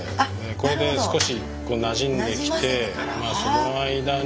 これで少しなじんできてその間に。